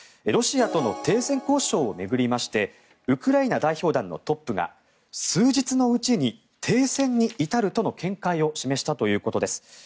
ロシアとの停戦交渉を巡りましてウクライナ代表団のトップが数日のうちに停戦に至るとの見解を示したということです。